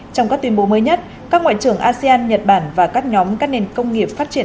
trong các tuyên bố mới nhất các ngoại trưởng asean nhật bản và các nhóm các nền công nghiệp phát triển